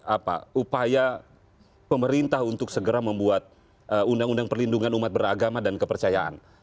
apa upaya pemerintah untuk segera membuat undang undang perlindungan umat beragama dan kepercayaan